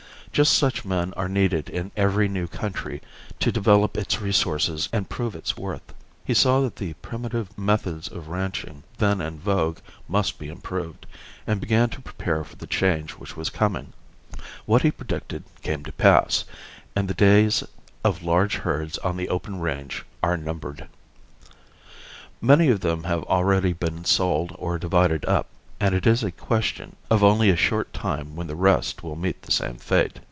Just such men are needed in every new country to develop its resources and prove its worth. He saw that the primitive methods of ranching then in vogue must be improved, and began to prepare for the change which was coming. What he predicted came to pass, and the days of large herds on the open range are numbered. Many of them have already been sold or divided up, and it is a question Of only a short time when the rest will meet the same fate.